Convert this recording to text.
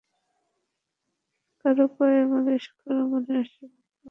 কারো পায়ে মালিশ করা মানে আশীর্বাদ পাওয়া।